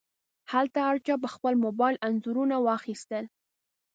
هلته هر چا په خپل موبایل انځورونه واخیستل.